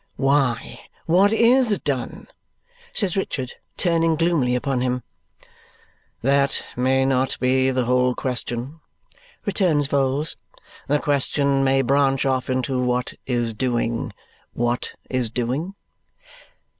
"Why, what IS done?" says Richard, turning gloomily upon him. "That may not be the whole question," returns Vholes, "The question may branch off into what is doing, what is doing?"